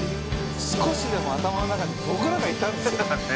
少しでも頭の中に僕らがいたんですよ。